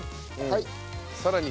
さらに。